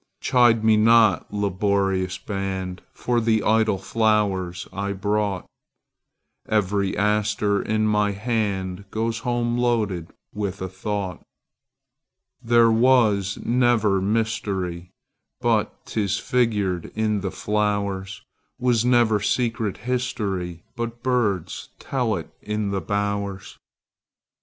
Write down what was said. Chide me not, laborious band, For the idle flowers I brought; Every aster in my handGoes home loaded with a thought. There was never mysteryBut 'tis figured in the flowers; SWas never secret historyBut birds tell it in the bowers.